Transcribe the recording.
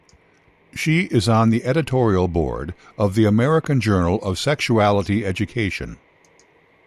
She is on the editorial board of the "American Journal of Sexuality Education".